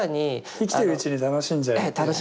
生きてるうちに楽しんじゃえっていう。